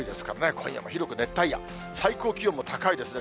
今夜も広く熱帯夜、最高気温も高いですね。